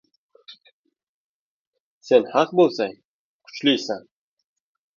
• Sen haq bo‘lsang ― kuchlisan.